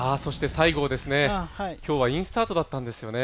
西郷ですね、今日はインスタートだったんですよね。